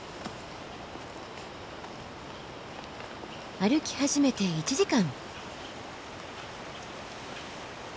歩き始めて１時間。